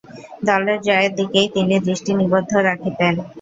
দলের জয়ের দিকেই তিনি দৃষ্টি নিবদ্ধ রাখতেন।